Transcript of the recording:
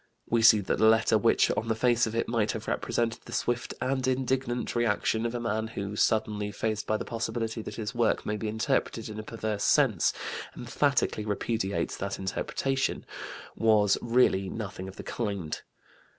We see that the letter which, on the face of it, might have represented the swift and indignant reaction of a man who, suddenly faced by the possibility that his work may be interpreted in a perverse sense, emphatically repudiates that interpretation, was really nothing of the kind.